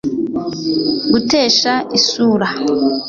gutesha isura